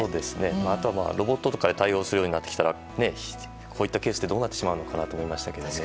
あとはロボットとかで対応するようになってきたらこういったケースはどうなるのかなと思いましたけど。